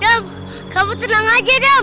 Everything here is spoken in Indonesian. capek kamu tenang aja dam